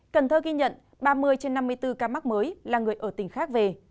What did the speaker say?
cần thơ ghi nhận ba mươi trên năm mươi bốn ca mắc mới là người ở tỉnh khác về